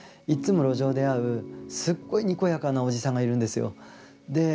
いつも路上で会うすっごいにこやかなおじさんがいるんですよ。